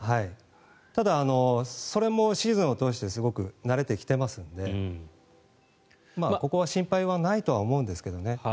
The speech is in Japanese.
ただ、それもシーズンを通して慣れてきていますのでここは心配はないとは思うんですけどね。